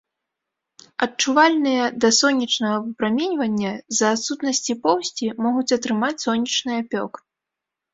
Адчувальныя да сонечнага выпраменьвання, з-за адсутнасці поўсці могуць атрымаць сонечны апёк.